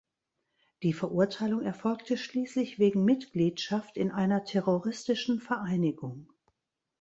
Die Verurteilung erfolgte schließlich wegen Mitgliedschaft in einer terroristischen Vereinigung.